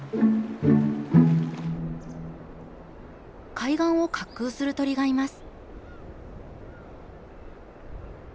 海岸を滑空する鳥がいます。